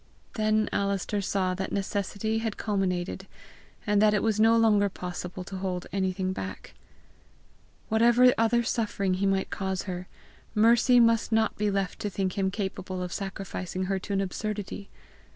Then Alister saw that necessity had culminated, and that it was no longer possible to hold anything back. Whatever other suffering he might cause her, Mercy must not be left to think him capable of sacrificing her to an absurdity!